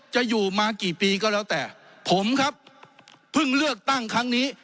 จะอยู่มากี่ปีก็แล้วแต่ผมครับเพิ่งเลือกตั้งครั้งนี้